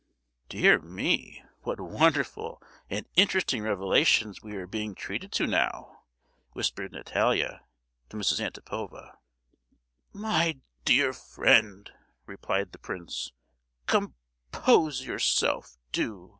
"Dear me, what wonderful and interesting revelations we are being treated to now!" whispered Natalia to Mrs. Antipova. "My dear friend," replied the prince, "com—pose yourself, do!